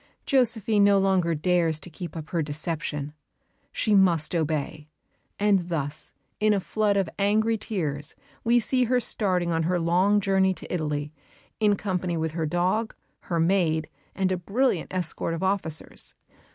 Josephine no longer dares to keep up her deception. She must obey. And thus, in a flood of angry tears, we see her starting on her long journey to Italy, in company with her dog, her maid, and a brilliant escort of officers.